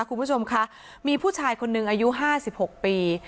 คุณผู้ชมคะมีผู้ชายคนหนึ่งอายุ๕๖ปี